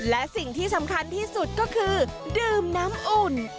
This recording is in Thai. และสิ่งที่สำคัญที่สุดก็คือดื่มน้ำอุ่น